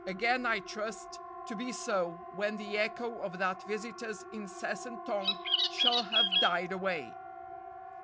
again I trust to be so when the echo of that visitor's incessant tongue shall have died away....